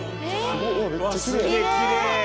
うわすげえきれい！